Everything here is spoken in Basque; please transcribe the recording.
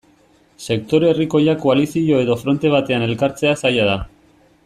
Sektore herrikoiak koalizio edo fronte batean elkartzea zaila da.